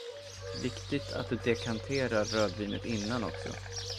Viktigt att du dekanterar rödvinet innan, också.